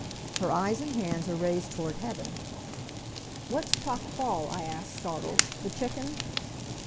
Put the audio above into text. Her eyes and hands are raised toward heaven. "What's prachtful?" I ask, startled. "The chicken?"